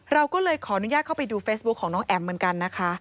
เราก็เลยขออนุญาตเข้าไปดูเฟซบุ๊คของน้องแอ๋มเหมือนกันนะคะ